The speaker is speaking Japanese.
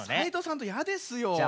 斎藤さんと嫌ですよ。